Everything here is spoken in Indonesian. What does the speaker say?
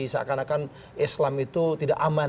seakan akan islam itu tidak aman